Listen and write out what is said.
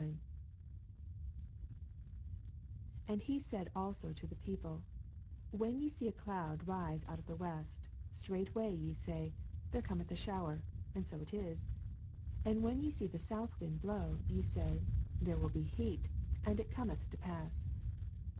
54 And he said also to the people, When ye see a doud rise out of the west, straightway ve say, There Com eth a shower ; and so it is. 55 And when ye see the south wind blow, ye say, There will be heat; and it Cometh to pass.